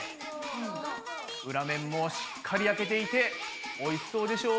裏面もしっかり焼けていておいしそうでしょう？